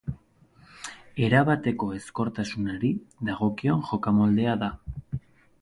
Erabateko ezkortasunari dagokion jokamoldea da.